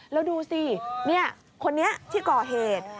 แล้วดูสิคนนี้ที่ก่อเหตุ